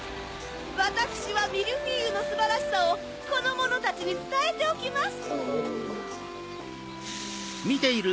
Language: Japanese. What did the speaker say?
わたくしはミルフィーユのすばらしさをこのものたちにつたえておきます。